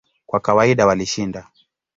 Kwa kawaida walishinda.